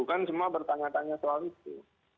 kan semua bertanya tanya soal itu